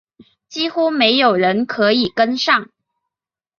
几乎没有人可以跟上